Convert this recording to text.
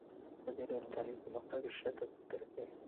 ازادي راډیو د تعلیم پرمختګ او شاتګ پرتله کړی.